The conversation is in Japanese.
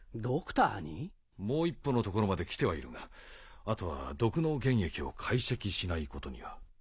もう一歩のところまで来てはいるがあとは毒の原液を解析しないことには。